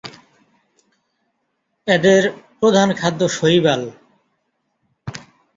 এদের প্রধান খাদ্য শৈবাল।